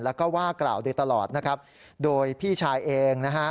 แล้วก็ว่ากล่าวโดยตลอดนะครับโดยพี่ชายเองนะฮะ